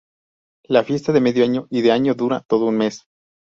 La Fiesta de medio año y de Año dura todo un mes.